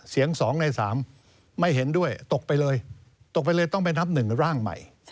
๒ใน๓ไม่เห็นด้วยตกไปเลยตกไปเลยต้องไปนับ๑ร่างใหม่